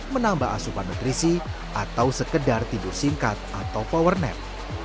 menambah asupan nutrisi atau sekedar tidur singkat atau power net